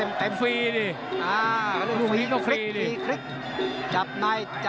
นี่นี่นี่นี่นี่นี่